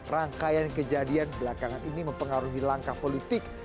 rangkaian kejadian belakangan ini mempengaruhi langkah politik